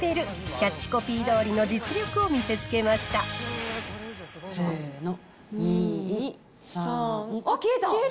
キャッチコピーどおりの実力を見せつけませーの、２、３、あっ、消えた。